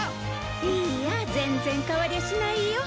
いいや全然変わりゃしないよ。